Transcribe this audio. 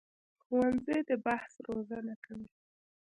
ښوونځی د بحث روزنه کوي